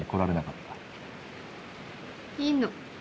いいの。